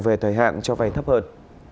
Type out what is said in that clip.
về thời hạn cho vai thấp hơn